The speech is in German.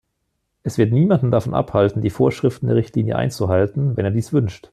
Er wird niemanden davon abhalten, die Vorschriften der Richtlinie einzuhalten, wenn er dies wünscht.